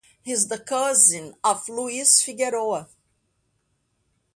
He is the cousin of Luis Figueroa.